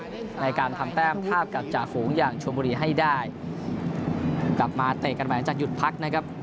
ในการทำแต้มภาพกับจ่าฝูงอย่างชมบุรีให้ได้กลับมาเตะกันหลังจากหยุดพักนะครับ